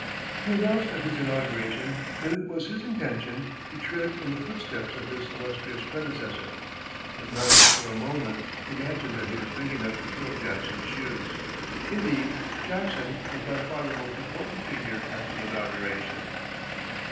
He announced at his inauguration that it was his intention, to tread in the footsteps of his "illustrious predecessor," but none for a moment imagined that he was big enough to fill Jackson's shoes. Indeed, Jackson, was by far the most important figure at the inauguration.